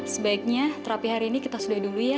sebaiknya terapi hari ini kita sudah dulu ya